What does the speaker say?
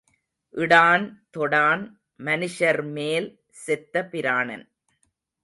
இடான், தொடான், மனுஷர்மேல் செத்த பிராணன்.